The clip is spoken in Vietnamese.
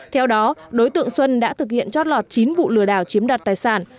theo đó đối tượng xuân đã thực hiện chót lọt chín vụ lừa đảo chiếm đoạt tài sản